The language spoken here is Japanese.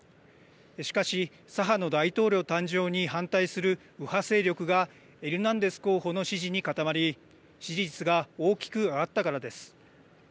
しかし、左派の大統領誕生に反対する右派勢力がエルナンデス候補の支持に固まり支持率が大きく上がったからです。